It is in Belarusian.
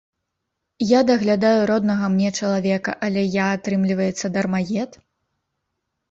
Я даглядаю роднага мне чалавека, але я, атрымліваецца, дармаед?